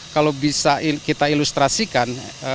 kalau bisa kita ilustrasikan